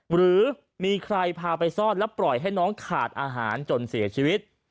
หรือมีใครพาไปซ่อนและปล่อยให้น้องขาดอาหารจนเสียชีวิต